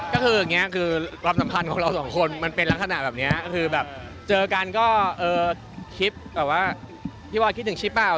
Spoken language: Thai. ก็คืออย่างนี้คือความสัมพันธ์ของเราสองคนมันเป็นลักษณะแบบนี้คือแบบเจอกันก็เออคลิปแบบว่าพี่บอยคิดถึงชิปเปล่า